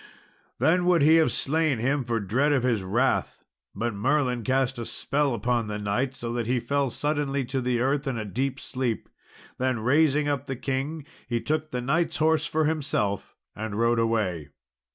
Then would he have slain him for dread of his wrath, but Merlin cast a spell upon the knight, so that he fell suddenly to the earth in a deep sleep. Then raising up the king, he took the knight's horse for himself and rode away.